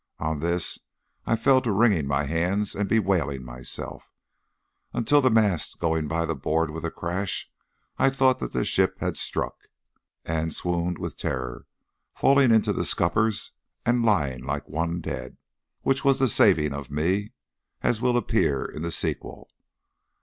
On this I fell to wringing my hands and bewailing myself, until the mast going by the board with a crash, I thought that the ship had struck, and swooned with terror, falling into the scuppers and lying like one dead, which was the saving of me, as will appear in the sequel.